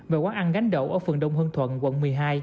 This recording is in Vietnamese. và quán ăn gánh đậu ở phường đông hưng thuận quận một mươi hai